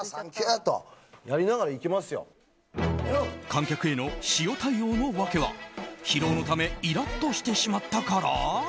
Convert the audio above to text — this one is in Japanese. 観客への塩対応の訳は疲労のためイラッとしてしまったから？